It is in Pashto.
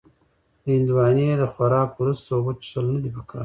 د هندوانې د خوراک وروسته اوبه څښل نه دي پکار.